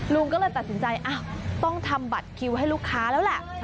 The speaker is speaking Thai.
ลุงก็เลยตัดสินใจต้องทำบัตรคิวให้ลูกค้าแล้วแหละ